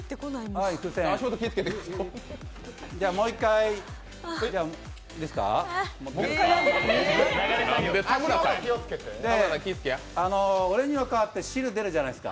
もう１回、いいですか。